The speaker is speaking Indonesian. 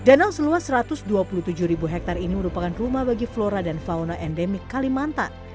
danau seluas satu ratus dua puluh tujuh ribu hektare ini merupakan rumah bagi flora dan fauna endemik kalimantan